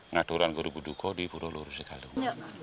ngaturan guru buduko di pura luhur sekalung